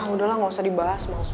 udah lah gausah dibahas maus maus gue